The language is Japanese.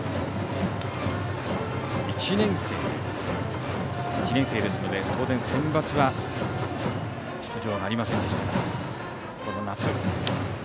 １年生ですので当然、センバツは出場なりませんでしたがこの夏。